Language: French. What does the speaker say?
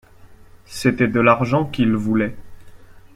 C’était de l’argent qu’ils voulaient.